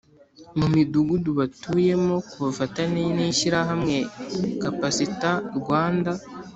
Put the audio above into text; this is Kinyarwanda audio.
Mu midugudu batuyemo ku bufatanye n ishyirahamwe capacitar rwanda